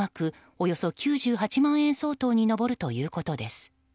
およそ９８万円相当に上るということです。